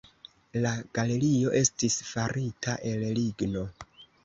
La galerio estis farita el ligno.